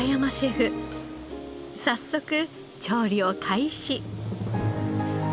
早速調理を開始。